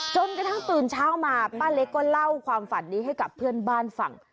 จนกระทั่งตื่นเช้ามาป้าเล็กก็เล่าความฝันนี้ให้กับเพื่อนบ้านฟัง